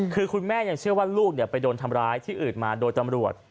คือคุณแม่ยังเชื่อว่าลูกไปโดนทำร้ายที่อื่นมาโดยตำรวจ